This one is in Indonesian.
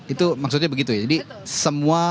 itu maksudnya begitu ya jadi semua